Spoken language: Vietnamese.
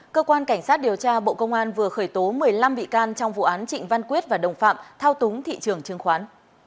cơ quan cảnh sát điều tra bộ công an vừa khởi tố một mươi năm bị can trong vụ án trịnh văn quyết và đồng phạm thao túng thị trường chứng khoán